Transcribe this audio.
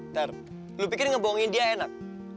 ter lo pikir ngebohongin dia enak